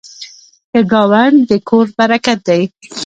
ښه ګاونډ د کور برکت دی.